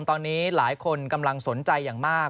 ตอนนี้หลายคนกำลังสนใจอย่างมาก